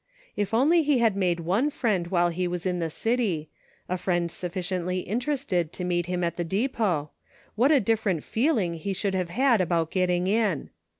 If only he had made one friend while he was in the city, a friend sufficiently interested to HOME. 297 meet him at the depot, what a different feeling he should have about getting in!